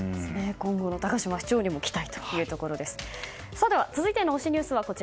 今後の高島市長にも期待というところです。